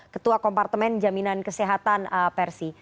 ketua kompartemen jaminan kesehatan persi